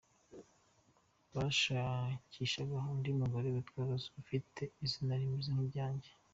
Bashakishaga undi mugore witwa Rose, ufite izina rimeze nk’iryanjye.